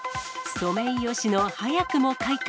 ソメイヨシノ、早くも開花。